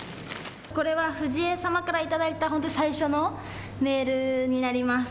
これは藤江様から頂いた最初のメールになります。